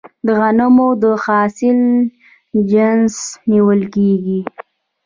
د غنمو د حاصل جشن نیول کیږي.